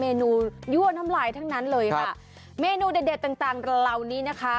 เนนูยั่วน้ำลายทั้งนั้นเลยค่ะเมนูเด็ดเด็ดต่างต่างเหล่านี้นะคะ